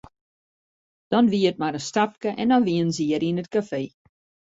Dan wie it mar in stapke en dan wienen se hjir yn it kafee.